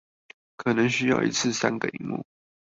可能需要一次三個螢幕